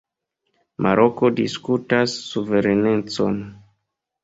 Maroko diskutas suverenecon.